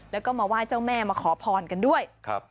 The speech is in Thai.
และก็มาไว้เจ้าแม่มาขอพรกันด้วย